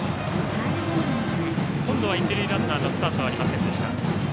今度は一塁ランナーのスタートはありませんでした。